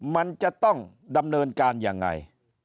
มันจะต้องดำเนินการยังไง